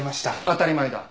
当たり前だ。